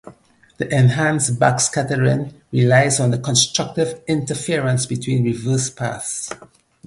The enhanced backscattering relies on the constructive interference between reverse paths.